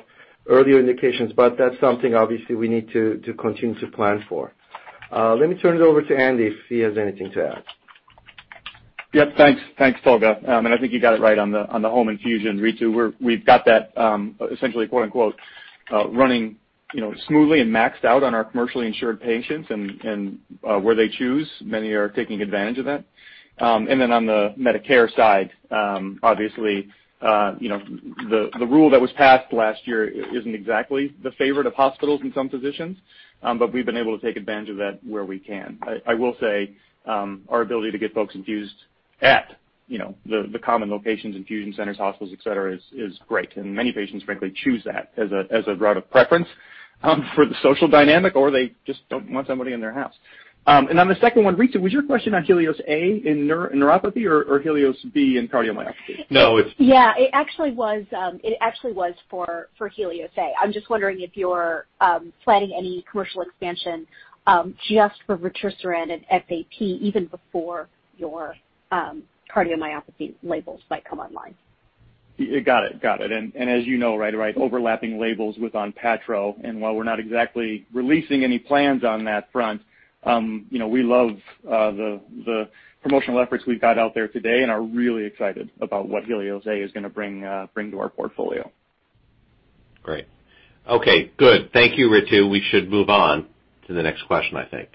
earlier indications. But that's something, obviously, we need to continue to plan for. Let me turn it over to Andy if he has anything to add. Yep. Thanks. Thanks, Tolga. And I think you got it right on the home infusion. Ritu, we've got that essentially "running smoothly and maxed out" on our commercially insured patients and where they choose. Many are taking advantage of that. And then on the Medicare side, obviously, the rule that was passed last year isn't exactly the favorite of hospitals and some physicians, but we've been able to take advantage of that where we can. I will say our ability to get folks infused at the common locations, infusion centers, hospitals, etc., is great. And many patients, frankly, choose that as a route of preference for the social dynamic, or they just don't want somebody in their house. And then the second one, Ritu, was your question on HELIOS-A in neuropathy or HELIOS-B in cardiomyopathy? No, it's. Yeah. It actually was for HELIOS-A. I'm just wondering if you're planning any commercial expansion just for vutrisiran and FAP even before your cardiomyopathy labels might come online. Got it. Got it. And as you know, right, overlapping labels with Onpattro. And while we're not exactly releasing any plans on that front, we love the promotional efforts we've got out there today and are really excited about what HELIOS-A is going to bring to our portfolio. Great. Okay. Good. Thank you, Ritu. We should move on to the next question, I think.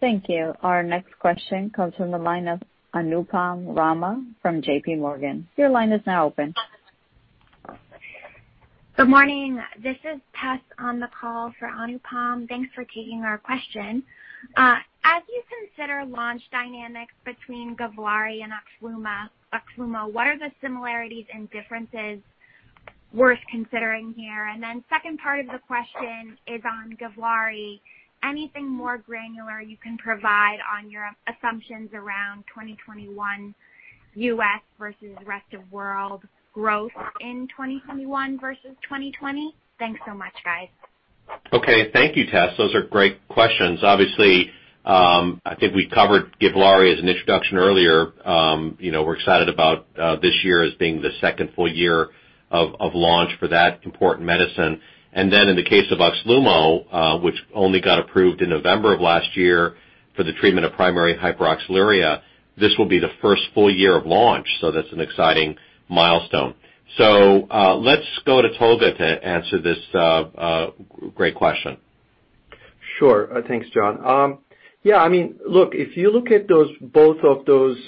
Thank you. Our next question comes from the line of Anupam Rama from J.P. Morgan. Your line is now open. Good morning. This is Tess on the call for Anupam. Thanks for taking our question. As you consider launch dynamics between Givlaari and Oxlumo, what are the similarities and differences worth considering here? And then the second part of the question is on Givlaari. Anything more granular you can provide on your assumptions around 2021 U.S. versus rest of world growth in 2021 versus 2020? Thanks so much, guys. Okay. Thank you, Tess. Those are great questions. Obviously, I think we covered Givlaari as an introduction earlier. We're excited about this year as being the second full year of launch for that important medicine. And then in the case of Oxlumo, which only got approved in November of last year for the treatment of primary hyperoxaluria, this will be the first full year of launch. So that's an exciting milestone. So let's go to Tolga to answer this great question. Sure. Thanks, John. Yeah. I mean, look, if you look at both of those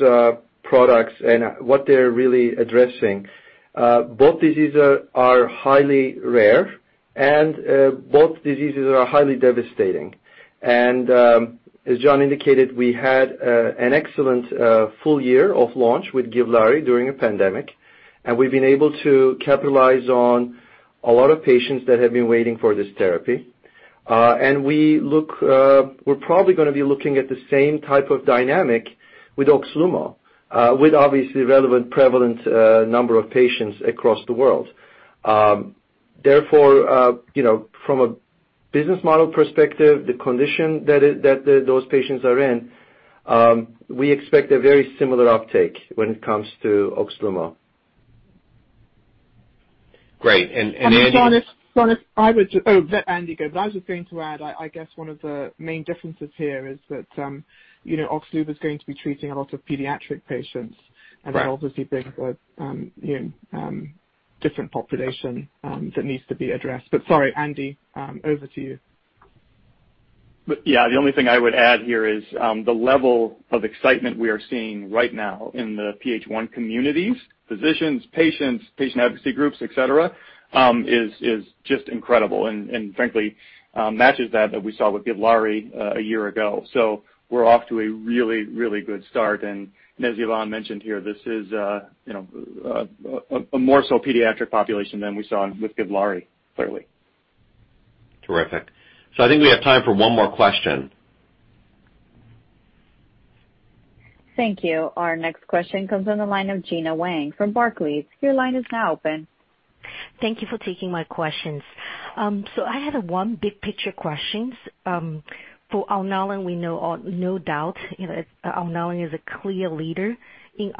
products and what they're really addressing, both diseases are highly rare, and both diseases are highly devastating. And as John indicated, we had an excellent full year of launch with Givlaari during a pandemic. And we've been able to capitalize on a lot of patients that have been waiting for this therapy. And we're probably going to be looking at the same type of dynamic with Oxlumo, with obviously relevant, prevalent number of patients across the world. Therefore, from a business model perspective, the condition that those patients are in, we expect a very similar uptake when it comes to Oxlumo. Great. And Andy. And John, if I were to, oh, Andy goes. I was just going to add, I guess one of the main differences here is that Oxlumo is going to be treating a lot of pediatric patients, and that obviously brings a different population that needs to be addressed. But sorry, Andy, over to you. Yeah. The only thing I would add here is the level of excitement we are seeing right now in the PH1 communities, physicians, patients, patient advocacy groups, etc., is just incredible and frankly matches that that we saw with Givlaari a year ago. So we're off to a really, really good start. And as Yvonne mentioned here, this is a more so pediatric population than we saw with Givlaari, clearly. Terrific. So I think we have time for one more question. Thank you. Our next question comes on the line of Gena Wang from Barclays. Your line is now open. Thank you for taking my questions. So I had one big picture question. For Alnylam, we know no doubt Alnylam is a clear leader in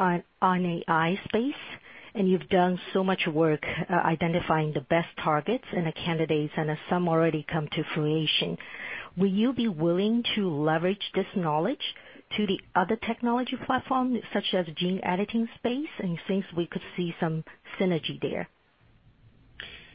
RNAi space, and you've done so much work identifying the best targets and the candidates, and some already come to fruition. Will you be willing to leverage this knowledge to the other technology platforms, such as gene editing space, and since we could see some synergy there?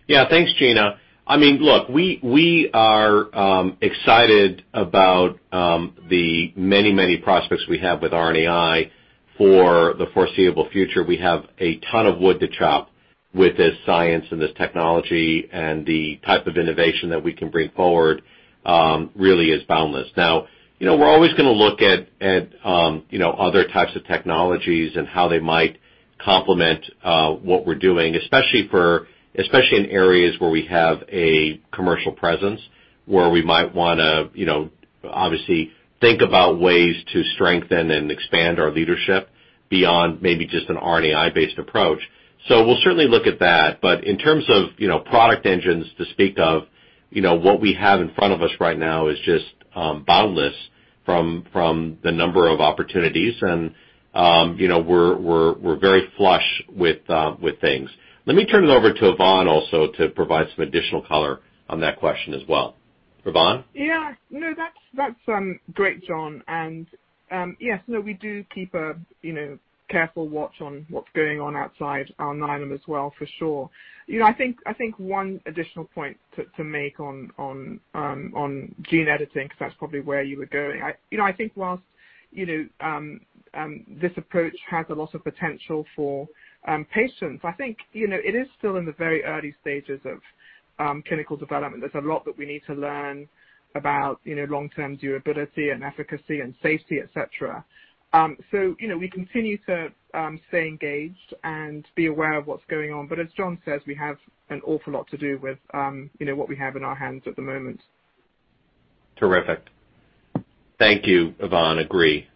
Yeah. Thanks, Gina. I mean, look, we are excited about the many, many prospects we have with RNAi for the foreseeable future. We have a ton of wood to chop with this science and this technology, and the type of innovation that we can bring forward really is boundless. Now, we're always going to look at other types of technologies and how they might complement what we're doing, especially in areas where we have a commercial presence, where we might want to obviously think about ways to strengthen and expand our leadership beyond maybe just an RNAi-based approach. So we'll certainly look at that. But in terms of product engines to speak of, what we have in front of us right now is just boundless from the number of opportunities, and we're very flush with things. Let me turn it over to Yvonne also to provide some additional color on that question as well. Yvonne? Yeah. No, that's great, John. And yes, no, we do keep a careful watch on what's going on outside Alnylam as well, for sure. I think one additional point to make on gene editing, because that's probably where you were going. I think whilst this approach has a lot of potential for patients, I think it is still in the very early stages of clinical development. There's a lot that we need to learn about long-term durability and efficacy and safety, etc. So we continue to stay engaged and be aware of what's going on. But as John says, we have an awful lot to do with what we have in our hands at the moment. Terrific. Thank you, Yvonne. Agree.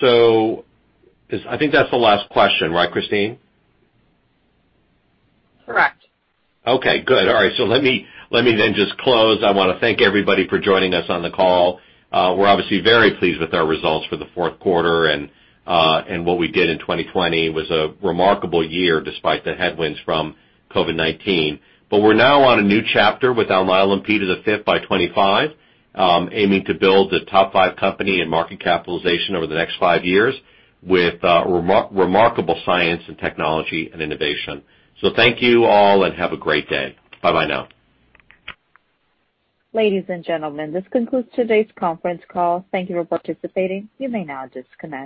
So I think that's the last question, right, Christine? Correct. Okay. Good. All right. So let me then just close. I want to thank everybody for joining us on the call. We're obviously very pleased with our results for the fourth quarter, and what we did in 2020 was a remarkable year despite the headwinds from COVID-19. But we're now on a new chapter with Alnylam P5x25, aiming to build the top five company and market capitalization over the next five years with remarkable science and technology and innovation. So thank you all and have a great day. Bye-bye now. Ladies and gentlemen, this concludes today's conference call. Thank you for participating. You may now disconnect.